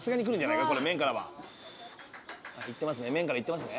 いってますね